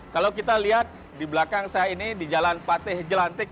kalau kita lihat di belakang saya ini di jalan pateh jelantik